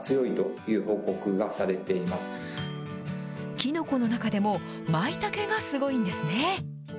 きのこの中でも、まいたけがすごいんですね。